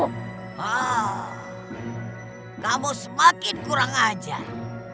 hah kamu semakin kurang ajar